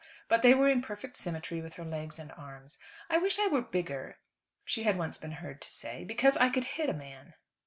But they were in perfect symmetry with her legs and arms. "I wish I were bigger," she had once been heard to say, "because I could hit a man."